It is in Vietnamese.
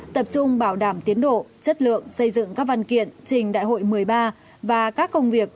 tập trung bảo đảm tiến độ chất lượng xây dựng các văn kiện trình đại hội một mươi ba và các công việc